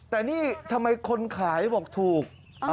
แต่นี่ทำไมคนขายบอกถูก